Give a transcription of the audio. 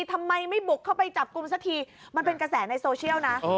ทำไมไม่บุกเข้าไปจับกลุ่มสักทีมันเป็นกระแสในโซเชียลนะ